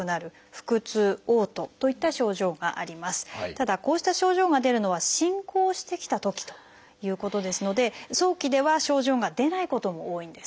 ただこうした症状が出るのは進行してきたときということですので早期では症状が出ないことも多いんです。